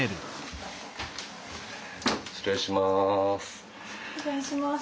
失礼します。